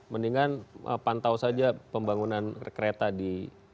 mendingan pantau saja pembangunan kereta di